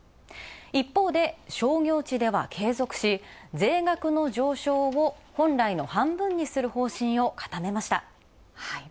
一方で商業地では継続し、税額の上昇を本来の半分にする方針を固めました。